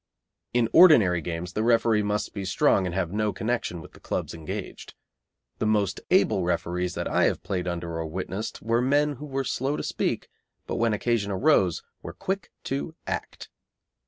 In ordinary games the referee must be strong and have no connection with the clubs engaged. The most able referees that I have played under or witnessed were men who were slow to speak, but when occasion arose were quick to act.